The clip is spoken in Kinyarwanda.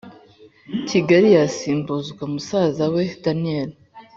Kigali yasimbuzwa musaza we daniel